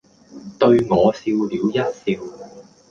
對我笑了一笑；